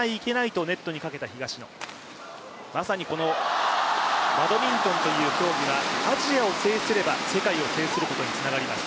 まさにこのバドミントンという競技はアジアを制すれば世界を制することにつながります。